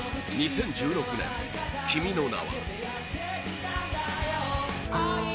２０１６年「君の名は。」